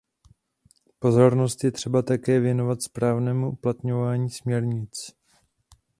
Pozornost je třeba také věnovat správnému uplatňování směrnic.